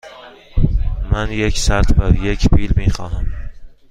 من یک سطل و یک بیل می خواهم.